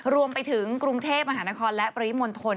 รวมไปถึงกรุงเทพมหานครและปริมณฑล